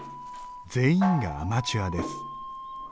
全員がアマチュアです。